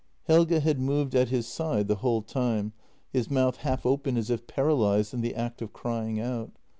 Helge had moved at his side the whole time, his mouth half open as if paralysed in the act of crying out.